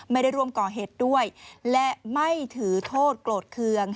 ไม่ได้ร่วมก่อเหตุด้วยและไม่ถือโทษโกรธเคือง